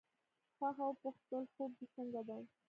خوښه وپوښتل خوب دې څنګه دی.